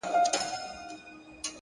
عاجزي د درناوي سرچینه ګرځي.!